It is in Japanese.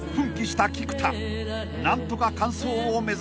［何とか完走を目指す］